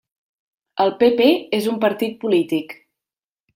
El PP és un partit polític.